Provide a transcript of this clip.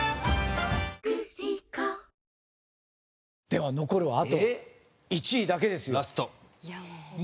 では残るはあと１位だけですよ。